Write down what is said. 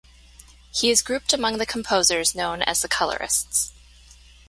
He is grouped among the composers known as the Colorists.